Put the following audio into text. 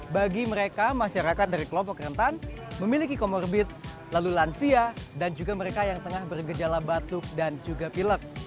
bagi mereka masyarakat dari kelompok rentan memiliki komorbit lalu lansia dan juga mereka yang tengah bergejala batuk dan juga pilek